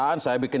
ini sudah terjadi